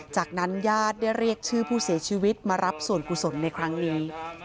จากนั้นญาติได้เรียกชื่อผู้เสียชีวิตมารับส่วนกุศลในครั้งนี้